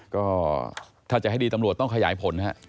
ก็ถ้าจะให้ดีตำรวจต้องขยายผลฮะ